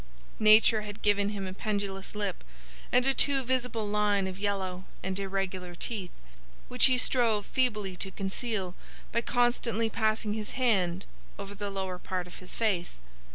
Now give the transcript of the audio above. Nature had given him a pendulous lip, and a too visible line of yellow and irregular teeth, which he strove feebly to conceal by constantly passing his hand over the lower part of his face.